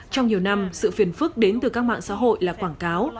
trong nhiều năm sự phiền phức đến từ các mạng xã hội là quảng cáo